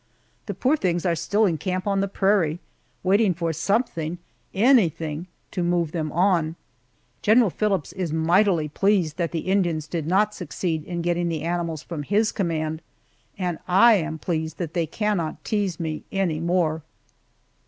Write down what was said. The poor things are still in camp on the prairie, waiting for something, anything, to move them on. General Phillips is mightily pleased that the Indians did not succeed in getting the animals from his command, and I am pleased that they cannot tease me any more.